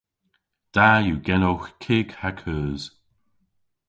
Da yw genowgh kig ha keus.